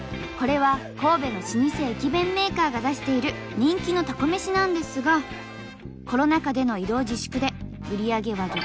これは神戸の老舗駅弁メーカーが出している人気のたこ飯なんですがコロナ禍での移動自粛で売り上げは激減。